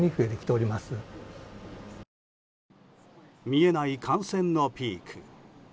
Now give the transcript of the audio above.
見えない感染のピーク。